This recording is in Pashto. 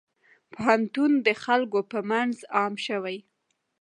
پوهنتون د خلکو په منځ عام شوی.